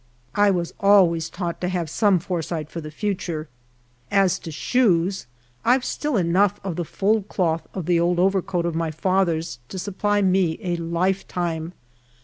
I was always taught to have some foresight for the future. As to shoes, I've still enough of the fulled cloth of the old over coat of my father's to supply me a lifetime.